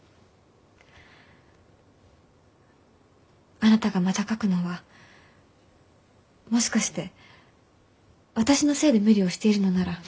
あなたがまた書くのはもしかして私のせいで無理をしているのなら。